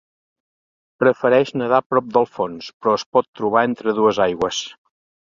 Prefereix nedar prop del fons però es pot trobar entre dues aigües.